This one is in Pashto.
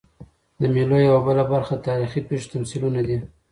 د مېلو یوه بله برخه د تاریخي پېښو تمثیلونه دي.